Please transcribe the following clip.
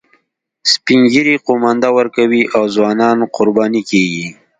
سپین ږیري قومانده ورکوي او ځوانان قرباني کیږي